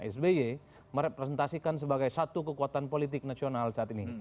sby merepresentasikan sebagai satu kekuatan politik nasional saat ini